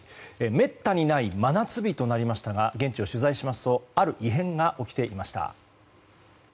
めったにない真夏日となりましたが現地を取材しますとある異変が起きていました。